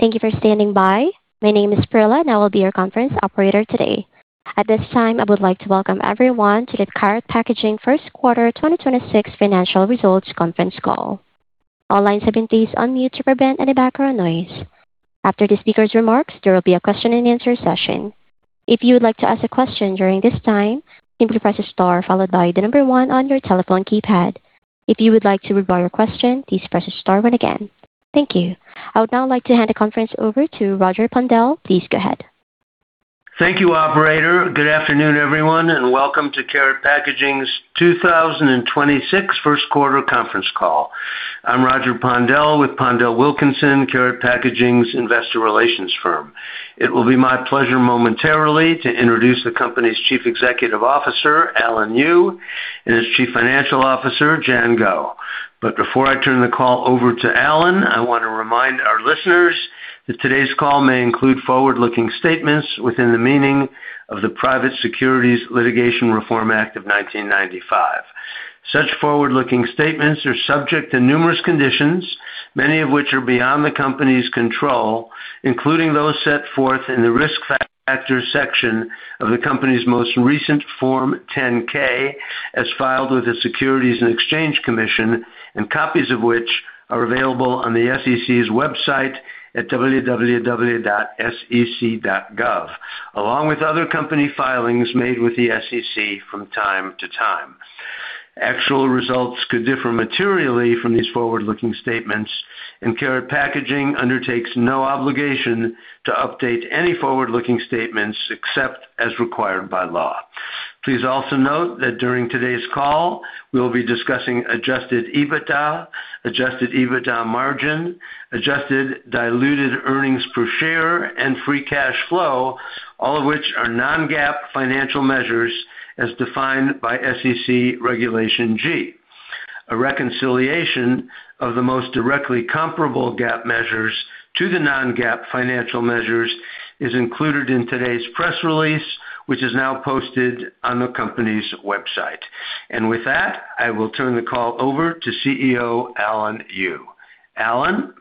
Thank you for standing by. My name is Perla, and I will be your conference operator today. At this time, I would like to Welcome everyone to the Karat Packaging First Quarter 2026 Financial Results Conference Call. All lines have been placed on mute to prevent any background noise. After the speaker's remarks, there will be a question and answer session. If you would like to ask a question during this time, simply press star followed by the number 1 on your telephone keypad. If you would like to withdraw your question, please press star 1 again. Thank you. I would now like to hand the conference over to Roger Pondel. Please go ahead. Thank you operator. Good afternoon, everyone, and welcome to Karat Packaging's 2026 first quarter conference call. I'm Roger Pondel with PondelWilkinson, Karat Packaging's investor relations firm. It will be my pleasure momentarily to introduce the company's Chief Executive Officer, Alan Yu, and its Chief Financial Officer, Jian Guo. Before I turn the call over to Alan, I want to remind our listeners that today's call may include forward-looking statements within the meaning of the Private Securities Litigation Reform Act of 1995. Such forward-looking statements are subject to numerous conditions, many of which are beyond the company's control, including those set forth in the Risk Factors section of the company's most recent Form 10-K, as filed with the Securities and Exchange Commission, and copies of which are available on the SEC's website at www.sec.gov, along with other company filings made with the SEC from time to time. Actual results could differ materially from these forward-looking statements, and Karat Packaging undertakes no obligation to update any forward-looking statements except as required by law. Please also note that during today's call, we'll be discussing adjusted EBITDA, adjusted EBITDA margin, adjusted diluted earnings per share, and free cash flow, all of which are non-GAAP financial measures as defined by SEC Regulation G. A reconciliation of the most directly comparable GAAP measures to the non-GAAP financial measures is included in today's press release, which is now posted on the company's website. With that, I will turn the call over to CEO, Alan Yu. Alan?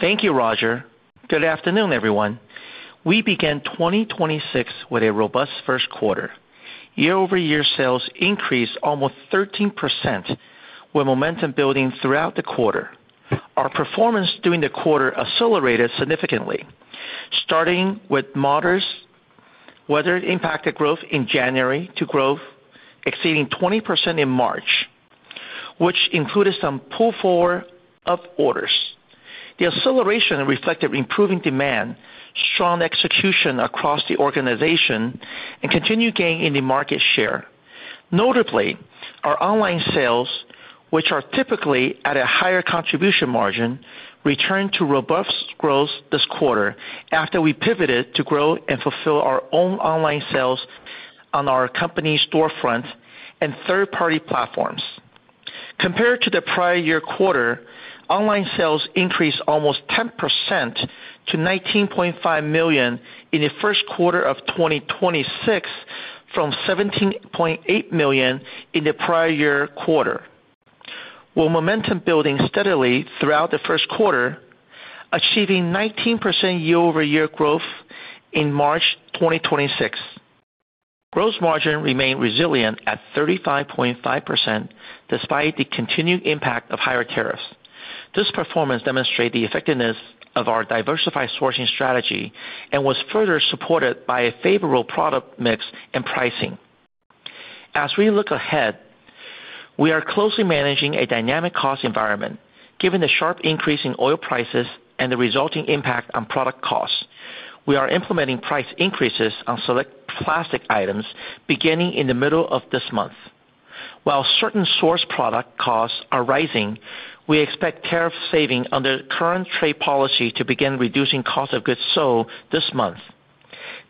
Thank you Roger. Good afternoon everyone. We began 2026 with a robust first quarter. Year-over-year sales increased almost 13%, with momentum building throughout the quarter. Our performance during the quarter accelerated significantly, starting with modest weather-impacted growth in January to growth exceeding 20% in March, which included some pull-forward of orders. The acceleration reflected improving demand, strong execution across the organization, and continued gain in the market share. Notably, our online sales, which are typically at a higher contribution margin, returned to robust growth this quarter after we pivoted to grow and fulfill our own online sales on our company storefront and third-party platforms. Compared to the prior year quarter, online sales increased almost 10% to $19.5 million in the first quarter of 2026 from $17.8 million in the prior year quarter. With momentum building steadily throughout the first quarter, achieving 19% year-over-year growth in March 2026. Gross margin remained resilient at 35.5% despite the continued impact of higher tariffs. This performance demonstrate the effectiveness of our diversified sourcing strategy and was further supported by a favorable product mix and pricing. As we look ahead, we are closely managing a dynamic cost environment. Given the sharp increase in oil prices and the resulting impact on product costs, we are implementing price increases on select plastic items beginning in the middle of this month. While certain source product costs are rising, we expect tariff saving under current trade policy to begin reducing cost of goods sold this month.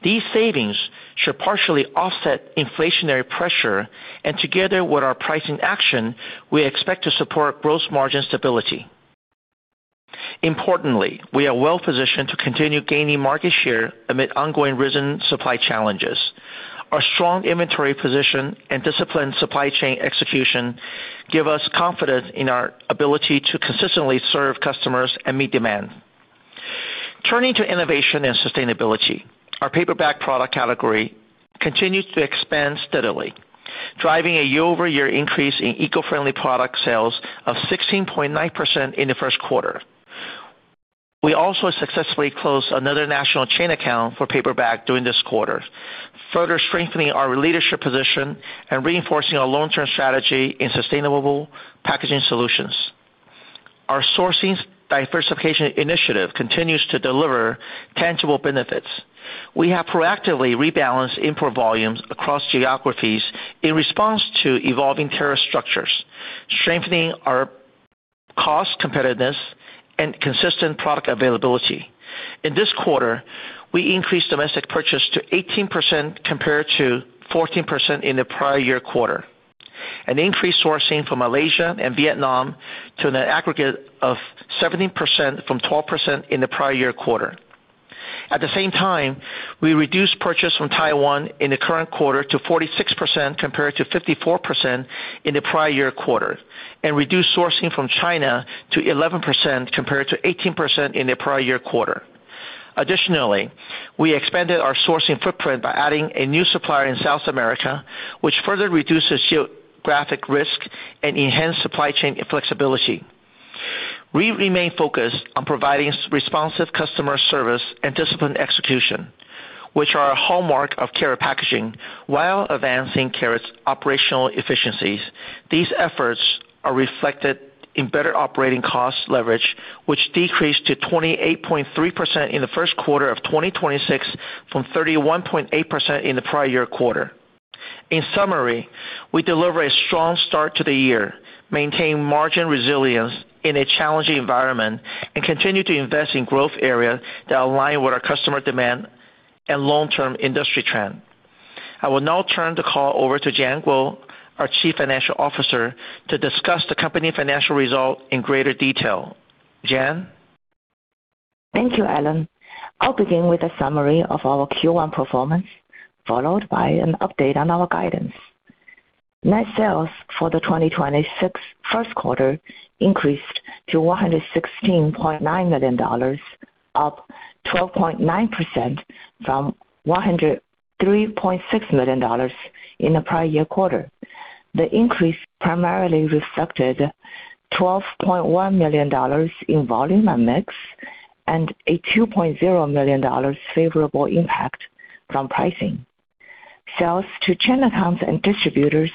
These savings should partially offset inflationary pressure, and together with our pricing action, we expect to support gross margin stability. Importantly, we are well-positioned to continue gaining market share amid ongoing resin supply challenges. Our strong inventory position and disciplined supply chain execution give us confidence in our ability to consistently serve customers and meet demand. Turning to innovation and sustainability, our paper bag product category continues to expand steadily, driving a year-over-year increase in eco-friendly product sales of 16.9% in the first quarter. We also successfully closed another national chain account for paper bag during this quarter, further strengthening our leadership position and reinforcing our long-term strategy in sustainable packaging solutions. Our sourcing diversification initiative continues to deliver tangible benefits. We have proactively rebalanced import volumes across geographies in response to evolving tariff structures, strengthening our cost competitiveness and consistent product availability. In this quarter, we increased domestic purchase to 18% compared to 14% in the prior year quarter, an increased sourcing from Malaysia and Vietnam to an aggregate of 17% from 12% in the prior year quarter. At the same time, we reduced purchase from Taiwan in the current quarter to 46% compared to 54% in the prior year quarter. Reduced sourcing from China to 11% compared to 18% in the prior year quarter. Additionally, we expanded our sourcing footprint by adding a new supplier in South America, which further reduces geographic risk and enhance supply chain flexibility. We remain focused on providing responsive customer service and disciplined execution, which are a hallmark of Karat Packaging while advancing Karat's operational efficiencies. These efforts are reflected in better operating cost leverage, which decreased to 28.3% in the first quarter of 2026 from 31.8% in the prior year quarter. In summary, we deliver a strong start to the year, maintain margin resilience in a challenging environment, and continue to invest in growth areas that align with our customer demand and long-term industry trend. I will now turn the call over to Jian Guo, our Chief Financial Officer, to discuss the company financial result in greater detail. Jian? Thank you Alan. I'll begin with a summary of our Q1 performance, followed by an update on our guidance. Net sales for the 2026 first quarter increased to $116.9 million, up 12.9% from $103.6 million in the prior year quarter. The increase primarily reflected $12.1 million in volume and mix, and a $2.0 million favorable impact from pricing. Sales to channel accounts and distributors,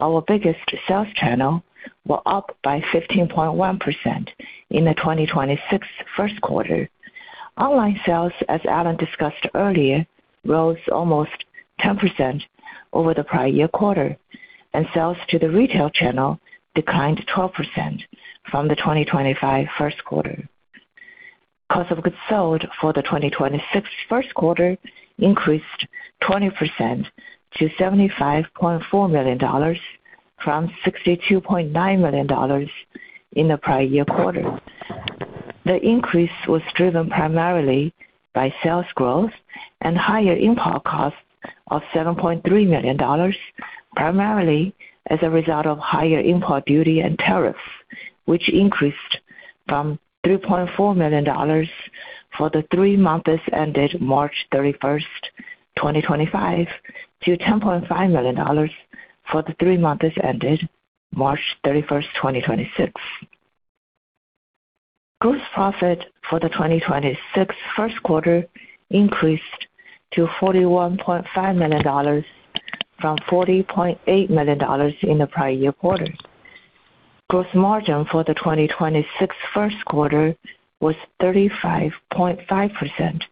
our biggest sales channel, were up by 15.1% in the 2026 first quarter. Online sales, as Alan discussed earlier, rose almost 10% over the prior year quarter. Sales to the retail channel declined 12% from the 2025 first quarter. Cost of goods sold for the 2026 first quarter increased 20% to $75.4 million from $62.9 million in the prior year quarter. The increase was driven primarily by sales growth and higher import costs of $7.3 million, primarily as a result of higher import duty and tariffs, which increased from $3.4 million for the three months ended March 31, 2025 to $10.5 million for the three months ended March 31, 2026. Gross profit for the 2026 first quarter increased to $41.5 million from $40.8 million in the prior year quarter. Gross margin for the 2026 first quarter was 35.5%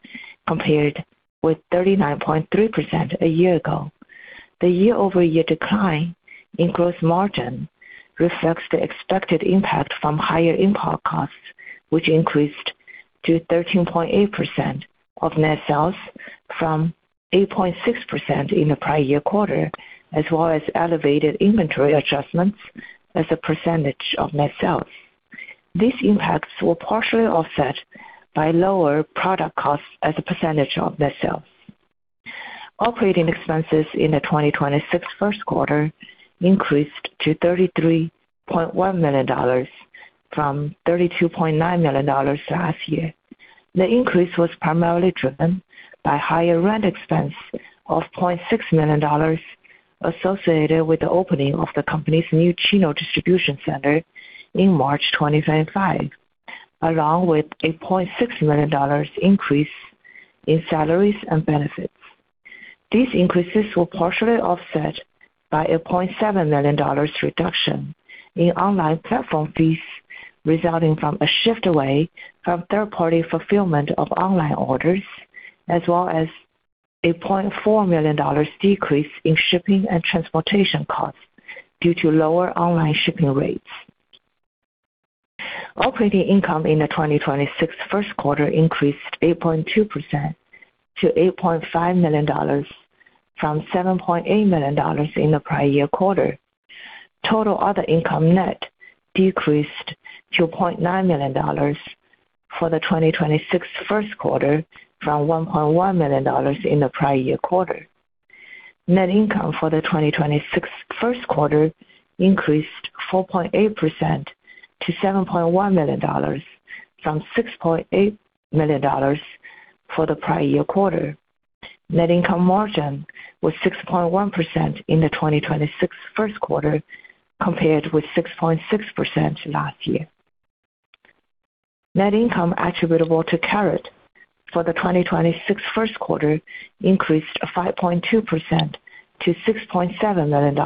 compared with 39.3% a year ago. The year-over-year decline in gross margin reflects the expected impact from higher import costs, which increased to 13.8% of net sales from 8.6% in the prior year quarter, as well as elevated inventory adjustments as a percentage of net sales. These impacts were partially offset by lower product costs as a percentage of net sales. Operating expenses in the 2026 first quarter increased to $33.1 million from $32.9 million last year. The increase was primarily driven by higher rent expense of $0.6 million associated with the opening of the company's new Chino distribution center in March 2025, along with a $0.6 million increase in salaries and benefits. These increases were partially offset by a $0.7 million reduction in online platform fees resulting from a shift away from third-party fulfillment of online orders, as well as a $0.4 million decrease in shipping and transportation costs due to lower online shipping rates. Operating income in the 2026 first quarter increased 8.2% to $8.5 million from $7.8 million in the prior year quarter. Total other income net decreased to $0.9 million for the 2026 first quarter from $1.1 million in the prior year quarter. Net income for the 2026 first quarter increased 4.8% to $7.1 million from $6.8 million for the prior year quarter. Net income margin was 6.1% in the 2026 first quarter, compared with 6.6% last year. Net income attributable to Karat for the 2026 first quarter increased 5.2% to $6.7 million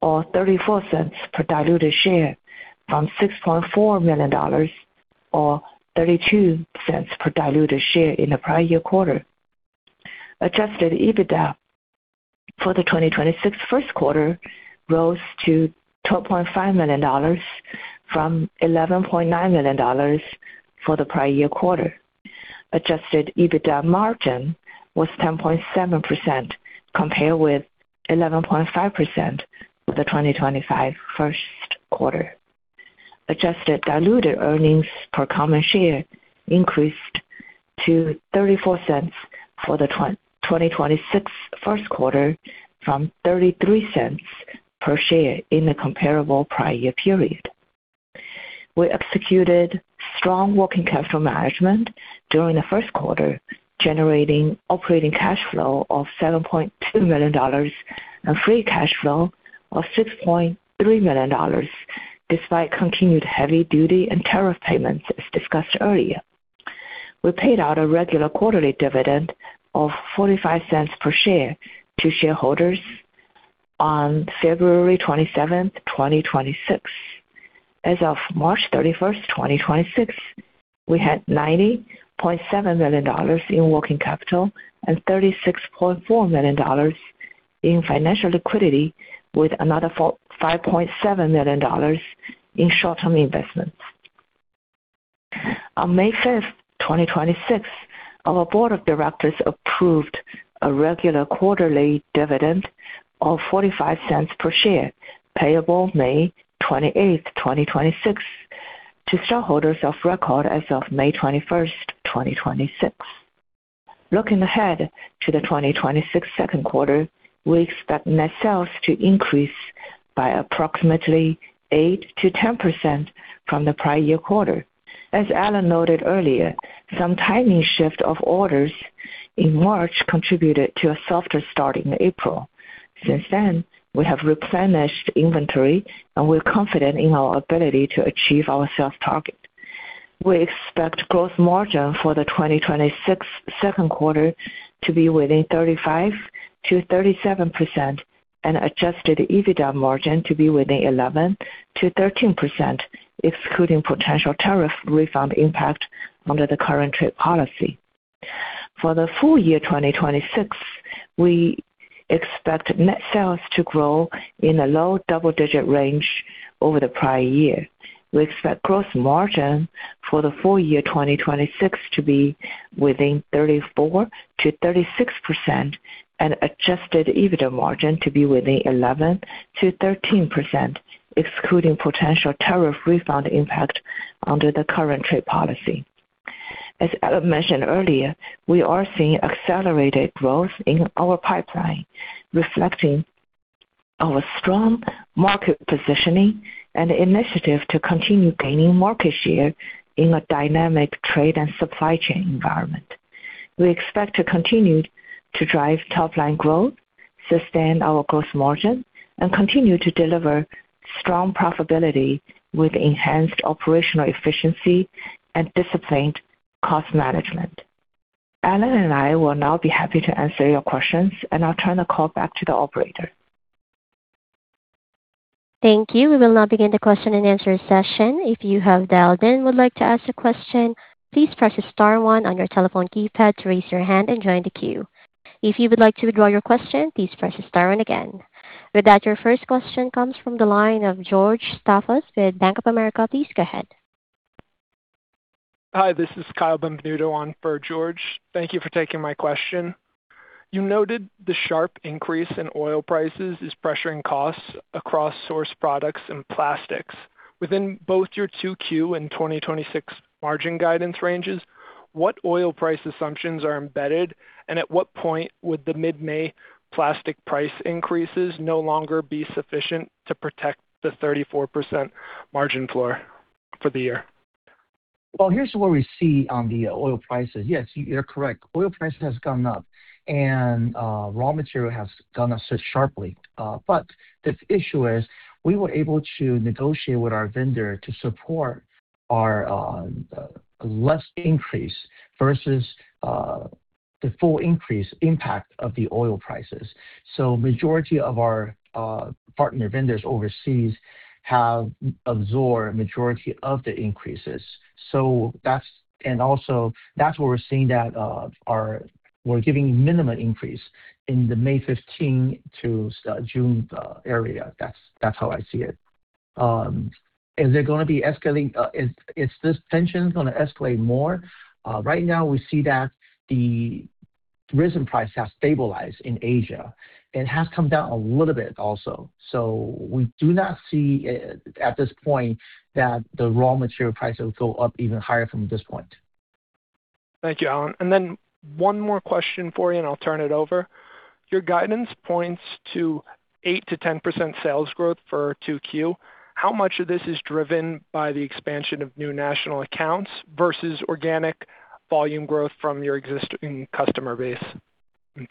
or $0.34 per diluted share from $6.4 million or $0.32 per diluted share in the prior year quarter. Adjusted EBITDA for the 2026 first quarter rose to $12.5 million from $11.9 million for the prior year quarter. Adjusted EBITDA margin was 10.7% compared with 11.5% for the 2025 first quarter. Adjusted diluted earnings per common share increased to $0.34 for the 2026 first quarter from $0.33 per share in the comparable prior year period. We executed strong working capital management during the first quarter, generating operating cash flow of $7.2 million and free cash flow of $6.3 million, despite continued heavy duty and tariff payments, as discussed earlier. We paid out a regular quarterly dividend of $0.45 per share to shareholders on February 27, 2026. As of March 31, 2026, we had $90.7 million in working capital and $36.4 million in financial liquidity with another $5.7 million in short-term investments. On May 5, 2026, our board of directors approved a regular quarterly dividend of $0.45 per share, payable May 28, 2026, to shareholders of record as of May 21, 2026. Looking ahead to the 2026 second quarter, we expect net sales to increase by approximately 8%-10% from the prior year quarter. As Alan noted earlier, some timing shift of orders in March contributed to a softer start in April. Since then, we have replenished inventory, and we're confident in our ability to achieve our sales target. We expect gross margin for the 2026 second quarter to be within 35%-37% and adjusted EBITDA margin to be within 11%-13%, excluding potential tariff refund impact under the current trade policy. For the full year 2026, we expect net sales to grow in a low double-digit range over the prior year. We expect gross margin for the full year 2026 to be within 34%-36% and adjusted EBITDA margin to be within 11%-13%, excluding potential tariff refund impact under the current trade policy. As Alan mentioned earlier, we are seeing accelerated growth in our pipeline, reflecting our strong market positioning and initiative to continue gaining market share in a dynamic trade and supply chain environment. We expect to continue to drive top line growth, sustain our gross margin, and continue to deliver strong profitability with enhanced operational efficiency and disciplined cost management. Alan and I will now be happy to answer your questions and now turn the call back to the operator. Thank you. We will now begin the question-and-answer session. If you have dialed in and would like to ask a question, please press star one on your telephone keypad to raise your hand and join the queue. If you would like to withdraw your question, please press star one again. With that, your first question comes from the line of George Staphos with Bank of America. Please go ahead. Hi, this is Kyle Benvenuto on for George. Thank you for taking my question. You noted the sharp increase in oil prices is pressuring costs across sourced products and plastics. Within both your 2Q and 2026 margin guidance ranges, what oil price assumptions are embedded, and at what point would the mid-May plastic price increases no longer be sufficient to protect the 34% margin floor for the year? Here's what we see on the oil prices. Yes, you're correct. Oil prices has gone up and raw material has gone up so sharply. The issue is we were able to negotiate with our vendor to support our less increase versus the full increase impact of the oil prices. Majority of our partner vendors overseas have absorbed majority of the increases. That's and also that's where we're seeing that we're giving minimum increase in the May 15 to June area. That's how I see it. Is it gonna be escalating? Is this tension gonna escalate more? Right now we see that the resin price has stabilized in Asia. It has come down a little bit also. We do not see at this point that the raw material price will go up even higher from this point. Thank you, Alan. One more question for you, and I'll turn it over. Your guidance points to 8%-10% sales growth for 2Q. How much of this is driven by the expansion of new national accounts versus organic volume growth from your existing customer base?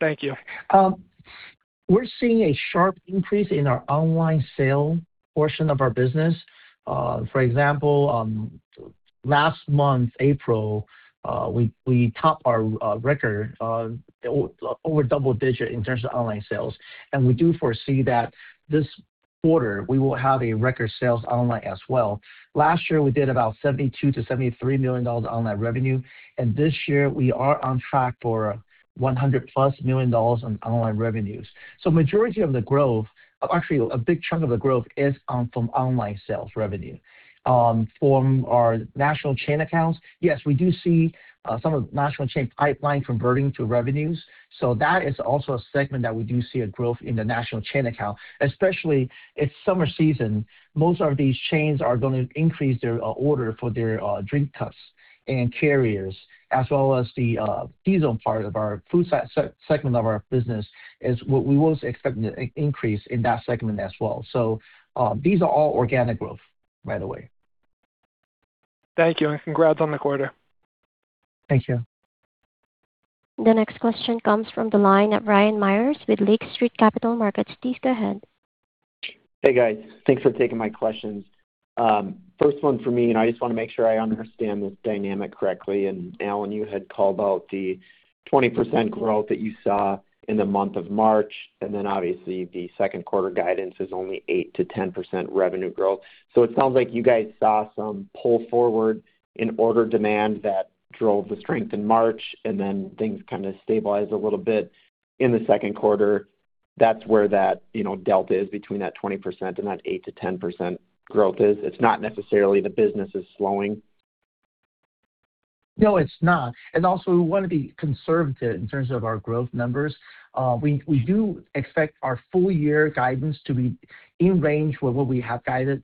Thank you. We're seeing a sharp increase in our online sale portion of our business. For example, last month, April, we topped our record over double-digit in terms of online sales. We do foresee that this quarter we will have a record sales online as well. Last year, we did about $72 million-$73 million online revenue, and this year we are on track for $100+ million on online revenues. Majority of the growth, actually a big chunk of the growth is from online sales revenue. From our national chain accounts, yes, we do see some of the national chain pipeline converting to revenues. That is also a segment that we do see a growth in the national chain account. Especially it's summer season, most of these chains are gonna increase their order for their drink cups and carriers as well as the deli part of our food segment of our business is we was expecting an increase in that segment as well. These are all organic growth, by the way. Thank you. Congrats on the quarter. Thank you. The next question comes from the line of Ryan Meyers with Lake Street Capital Markets. Please go ahead. Hey, guys. Thanks for taking my questions. First one for me. I just wanna make sure I understand this dynamic correctly. Alan, you had called out the 20% growth that you saw in the month of March, and then obviously the second quarter guidance is only 8%-10% revenue growth. It sounds like you guys saw some pull forward in order demand that drove the strength in March, and then things kinda stabilized a little bit in the second quarter. That's where that, you know, delta is between that 20% and that 8%-10% growth is. It's not necessarily the business is slowing. No, it's not. Also, we wanna be conservative in terms of our growth numbers. We do expect our full year guidance to be in range with what we have guided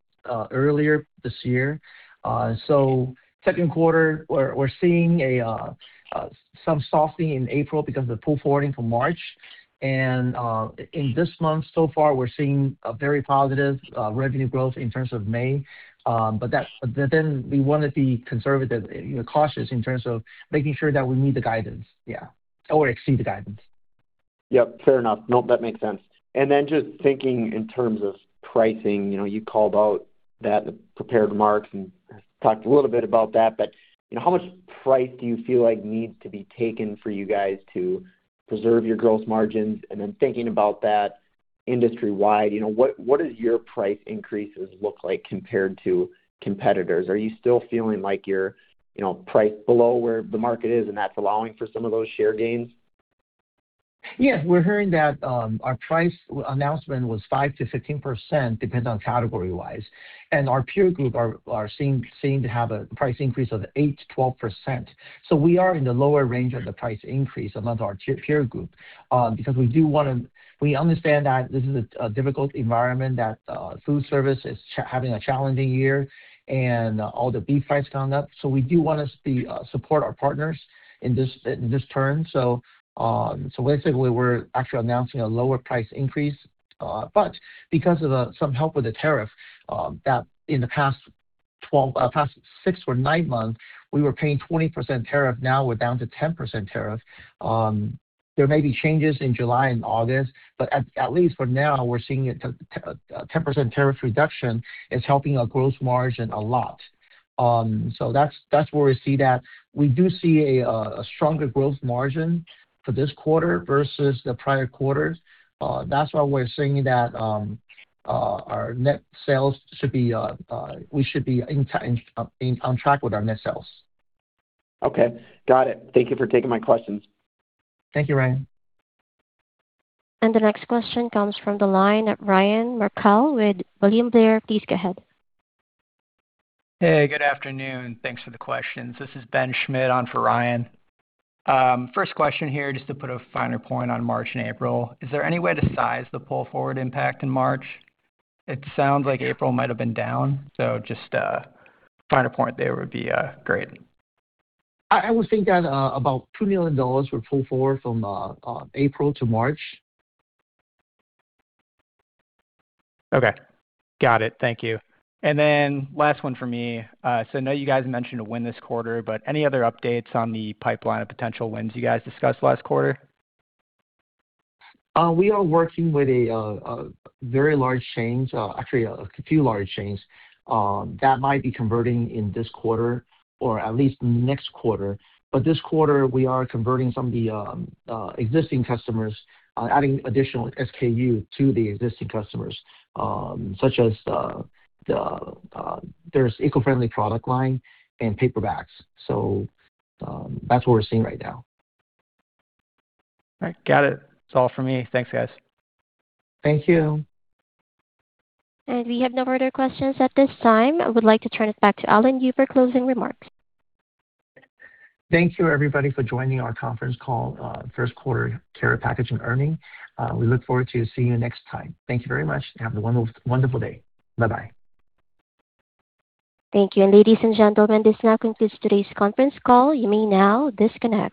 earlier this year. Second quarter, we're seeing some softening in April because of the pull forwarding from March. In this month so far, we're seeing a very positive revenue growth in terms of May. We wanna be conservative, you know, cautious in terms of making sure that we meet the guidance, yeah, or exceed the guidance. Yep, fair enough. Nope, that makes sense. Then just thinking in terms of pricing, you know, you called out in the prepared remarks and talked a little bit about that, but, you know, how much price do you feel like needs to be taken for you guys to preserve your gross margins? Then thinking about that industry-wide, you know, what does your price increases look like compared to competitors? Are you still feeling like you're, you know, priced below where the market is, and that's allowing for some of those share gains? Yes. We're hearing that our price announcement was 5%-15%, depends on category-wise. Our peer group are seeing, seem to have a price increase of 8%-12%. We are in the lower range of the price increase amongst our peer group, because we understand that this is a difficult environment, that foodservice is having a challenging year and all the beef prices going up. We do wanna be support our partners in this, in this turn. Basically we're actually announcing a lower price increase. Because of some help with the tariff, that in the past 6 or 9 months we were paying 20% tariff, now we're down to 10% tariff. There may be changes in July and August, but at least for now, we're seeing a 10% tariff reduction. It's helping our gross margin a lot. That's where we see that. We do see a stronger gross margin for this quarter versus the prior quarters. That's why we're seeing that, our net sales should be, we should be on track with our net sales. Okay. Got it. Thank you for taking my questions. Thank you, Ryan. The next question comes from the line at Ryan Merkel with William Blair. Please go ahead. Hey, good afternoon. Thanks for the questions. This is Ben Schmid on for Ryan. First question here, just to put a finer point on March and April. Is there any way to size the pull-forward impact in March? It sounds like April might have been down, so just a finer point there would be great. I would think that about $2 million were pulled forward from April to March. Okay. Got it. Thank you. Last one for me. I know you guys mentioned a win this quarter, but any other updates on the pipeline of potential wins you guys discussed last quarter? We are working with a very large chains, actually a few large chains that might be converting in this quarter or at least next quarter. This quarter we are converting some of the existing customers, adding additional SKU to the existing customers, such as the eco-friendly product line and paper bag. That's what we're seeing right now. All right. Got it. That's all for me. Thanks, guys. Thank you. We have no further questions at this time. I would like to turn it back to Alan Yu for closing remarks. Thank you everybody for joining our conference call, first quarter Karat Packaging earnings. We look forward to seeing you next time. Thank you very much. Have a wonderful day. Bye-bye. Thank you. Ladies and gentlemen, this now concludes today's conference call. You may now disconnect.